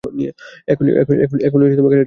এখনই গাড়িটা পেছাও।